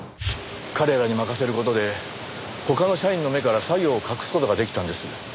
彼らに任せる事で他の社員の目から作業を隠す事が出来たんです。